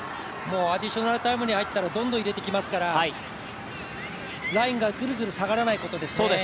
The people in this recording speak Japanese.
アディショナルタイムに入ったら、どんどん入れてきますからラインがずるずる下がらないことですね。